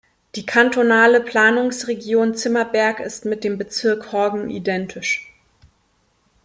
Die kantonale Planungsregion Zimmerberg ist mit dem Bezirk Horgen identisch.